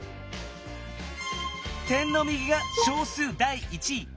点の右が小数第一位。